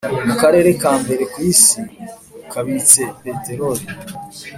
mu karere ka mbere ku isi kabitse peterori.